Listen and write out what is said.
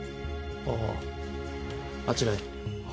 あぁあちらへ。